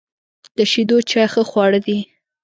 د شیدو چای ښه خواړه دي.